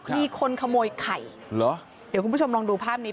มีคนขโมยไข่เหรอเดี๋ยวคุณผู้ชมลองดูภาพนี้